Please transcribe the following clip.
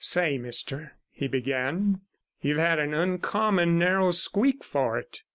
'Say, mister,' he began, 'you've had an uncommon narrow squeak for it.